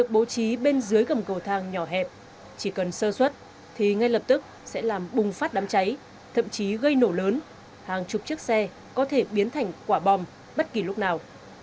bố trí bên dưới gầm cầu thang nhỏ hẹp chỉ cần sơ xuất thì ngay lập tức sẽ làm bùng phát đám cháy thậm chí gây nổ lớn hàng chục chiếc xe có thể biến thành quả bom bất kỳ lúc nào